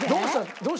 どうした？